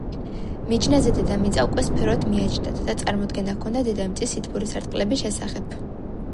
მიჯნაზე დედამიწა უკვე სფეროდ მიაჩნდათ და წარმოდგენა ჰქონდათ დედამიწის სითბური სარტყლების შესახებ.